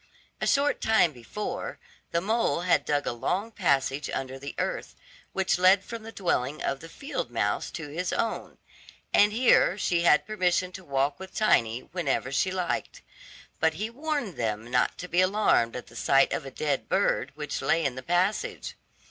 A short time before, the mole had dug a long passage under the earth, which led from the dwelling of the field mouse to his own, and here she had permission to walk with Tiny whenever she liked. But he warned them not to be alarmed at the sight of a dead bird which lay in the passage.